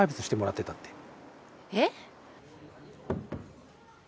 えっ？